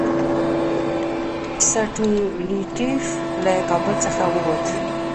سټولیټوف له کابل څخه ووت.